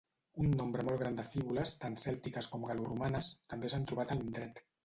Un nombre molt gran de fíbules, tant cèltiques com gal·loromanes, també s'han trobat a l'indret.